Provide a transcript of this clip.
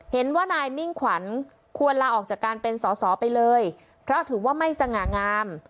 เห็นว่านายมิ่งขวัญควรลาออกจากการเป็นสอสอไปเลยเพราะถือว่าไม่สง่างาม